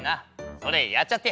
それやっちゃって！